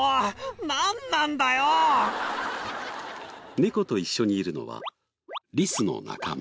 猫と一緒にいるのはリスの仲間。